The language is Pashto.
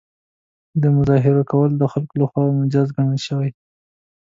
د مظاهرو کول د خلکو له خوا مجاز ګڼل شوي.